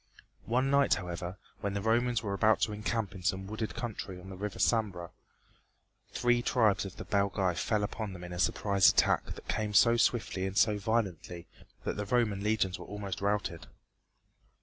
One night, however, when the Romans were about to encamp in some wooded country on the River Sambre, three tribes of the Belgæ fell upon them in a surprise attack that came so swiftly and so violently that the Roman legions were almost routed.